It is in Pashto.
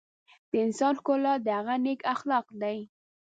د انسان ښکلا د هغه نیک اخلاق دي.